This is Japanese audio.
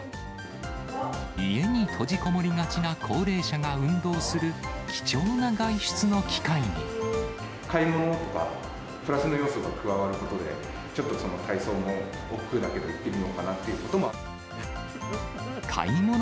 家に閉じこもりがちな高齢者が運動する、買い物とか、プラスの要素が加わることで、ちょっと体操もおっくうだけど、行ってみようかなっていうこともある。